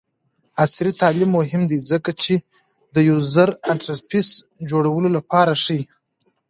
عصري تعلیم مهم دی ځکه چې د یوزر انټرفیس جوړولو لارې ښيي.